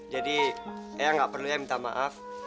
jadi ayang gak perlu ya minta maaf